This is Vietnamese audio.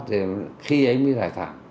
thì khi ấy mới giải thảm